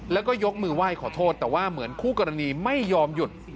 แล้วก็ยกมือไหว้ขอโทษแต่ว่าเหมือนคู่กรณีไม่ยอมหยุด